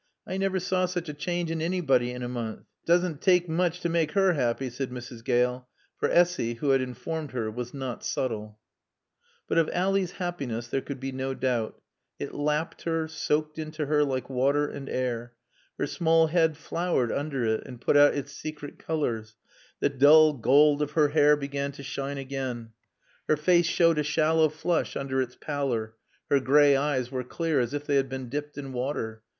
I naver saw sech a chaange in anybody in a moonth." "'T assn' takken mooch to maake 'er 'appy," said Mrs. Gale. For Essy, who had informed her, was not subtle. But of Ally's happiness there could be no doubt. It lapped her, soaked into her like water and air. Her small head flowered under it and put out its secret colors; the dull gold of her hair began to shine again, her face showed a shallow flush under its pallor; her gray eyes were clear as if they had been dipped in water.